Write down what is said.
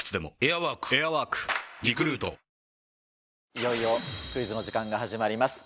いよいよクイズの時間が始まります。